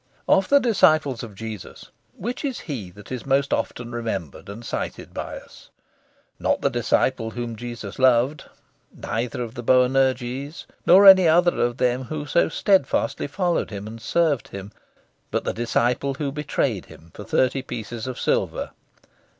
Of the disciples of Jesus, which is he that is most often remembered and cited by us? Not the disciple whom Jesus loved; neither of the Boanerges, nor any other of them who so steadfastly followed Him and served Him; but the disciple who betrayed Him for thirty pieces of silver.